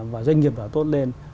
và doanh nghiệp đã tốt lên